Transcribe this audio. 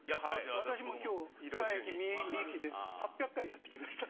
私も今日二駅三駅で８００回やってきました。